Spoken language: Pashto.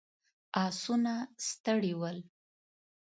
آسونه ستړي ول.